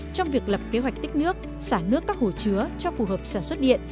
trong việc lập kế hoạch tích nước xả nước các hồ chứa cho phù hợp sản xuất điện